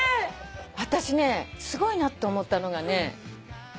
私すごいなって思ったのがね。